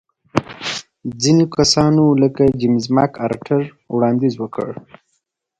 ځینو کسانو لکه جېمز مک ارتر وړاندیز وکړ.